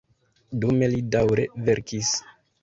Dume li daŭre verkis.